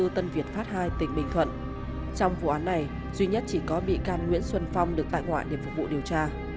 trong vụ án này duy nhất chỉ có bị can nguyễn xuân phong được tại ngoại để phục vụ điều tra